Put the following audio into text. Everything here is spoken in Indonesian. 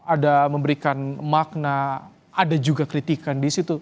ada memberikan makna ada juga kritikan di situ